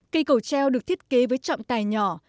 cây cầu treo được thiết kế với trọng tài nhỏ